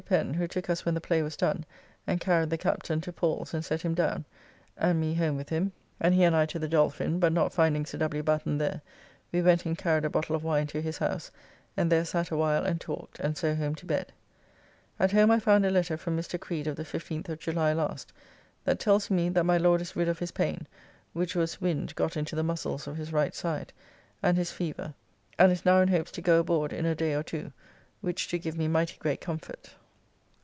Pen, who took us when the play was done and carried the Captain to Paul's and set him down, and me home with him, and he and I to the Dolphin, but not finding Sir W. Batten there, we went and carried a bottle of wine to his house, and there sat a while and talked, and so home to bed. At home I found a letter from Mr. Creed of the 15th of July last, that tells me that my Lord is rid of his pain (which was wind got into the muscles of his right side) and his feaver, and is now in hopes to go aboard in a day or two, which do give me mighty great comfort.